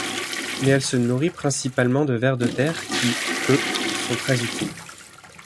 Mais elle se nourrit principalement de vers de terre qui, eux, sont très utiles.